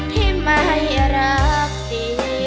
ที่ไม่รักดี